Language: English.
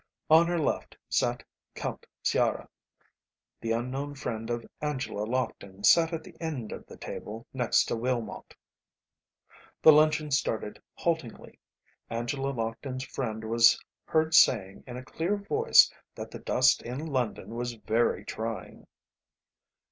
On her left sat Count Sciarra; the unknown friend of Angela Lockton sat at the end of the table next to Willmott. The luncheon started haltingly. Angela Lockton's friend was heard saying in a clear voice that the dust in London was very trying.